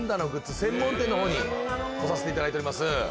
の方に来させていただいております。